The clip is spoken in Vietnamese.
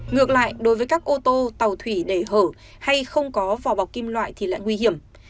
ngược lại đối với các ô tô tàu thủy để hở hay không có vỏ bọc kim loại thì lại nguy hiểm